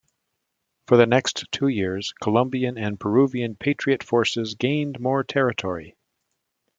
For the next two years Colombian and Peruvian patriot forces gain more territory.